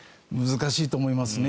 難しいと思いますね。